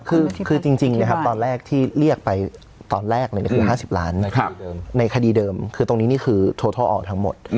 คือจริงนะครับตอนแรกที่เรียกไป๕๐ล้านในคดีเดิมคือตรงนี้คือโททลออกทั้งหมด